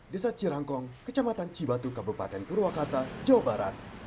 desa cirangkong kecamatan cibatu kabupaten purwakarta jawa barat